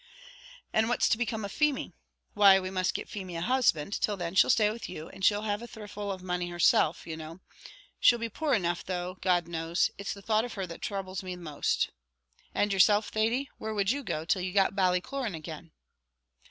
"And what's to become of Feemy?" "Why, we must get Feemy a husband; till then she'll stay with you; she'll have a thrifle of money herself, you know; she'll be poor enough, though, God knows! It's the thought of her that throubles me most." "And yourself, Thady, where would you go, till you got Ballycloran again?"